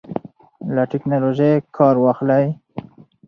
له ټیکنالوژۍ کار واخلئ.